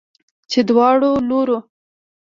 چې دواړو لورو